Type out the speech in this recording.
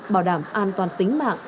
bảo đảm an toàn tính mạng